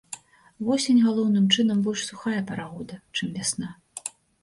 Восень, галоўным чынам, больш сухая пара года, чым вясна.